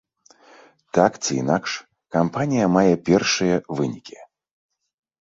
Так ці інакш, кампанія мае першыя вынікі.